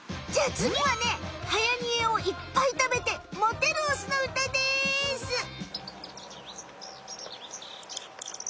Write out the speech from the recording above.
じゃあつぎはねはやにえをいっぱい食べてモテるオスのうたです。